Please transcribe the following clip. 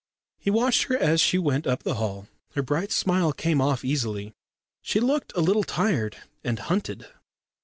He watched her as she went up the hall. Her bright smile came off very easily. She looked a little tired and hunted.